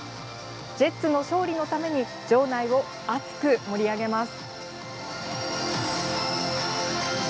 ジェッツの勝利のために場内を熱く盛り上げます。